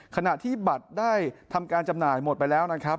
ขณะที่บัตรได้ทำการจำหน่ายหมดไปแล้วนะครับ